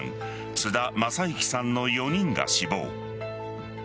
津田正行さんの４人が死亡。